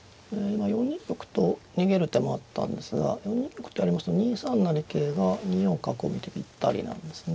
あ４二玉と逃げる手もあったんですが４二玉ってやりますと２三成桂が２四角を見てピッタリなんですね。